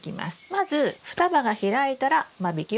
まず双葉が開いたら間引きを始めます。